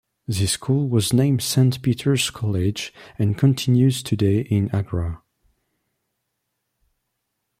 This school was named Saint Peter's College and continues today in Agra.